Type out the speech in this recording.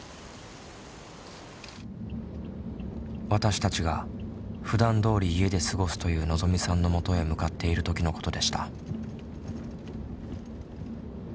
私たちがふだんどおり家で過ごすというのぞみさんのもとへ向かっている時のことでした。